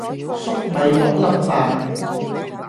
栗米六粒飯